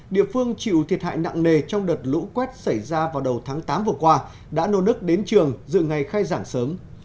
địa phương chịu thiệt hại nặng nề trong đợt lũ quét xảy ra vào đầu tháng tám vừa qua đã nô nức đến trường dự ngày khai giảng sớm